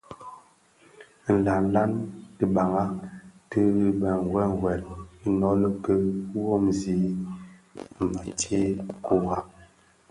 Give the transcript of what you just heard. Nlanlan tibaňa ti bë wewel inoli ki womzi më ntsee kurak.